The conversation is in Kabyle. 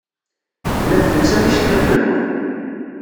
Tellam telsam iceḍḍiden-nwen.